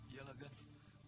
ya gan dani ya